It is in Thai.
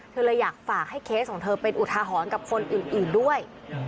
เธอเลยอยากฝากให้เคสของเธอเป็นอุทาหรณ์กับคนอื่นด้วย